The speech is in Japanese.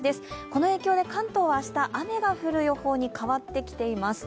この影響で関東は明日、雨が降る予報に変わってきています。